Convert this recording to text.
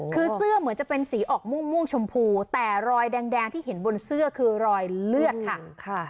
คือเสื้อเหมือนจะเป็นสีออกม่วงชมพูแต่รอยแดงที่เห็นบนเสื้อคือรอยเลือดค่ะ